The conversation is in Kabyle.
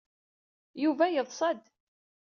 Yuba yeḍsa-d.